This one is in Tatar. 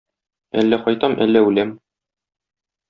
Әллә кайтам, әллә үләм.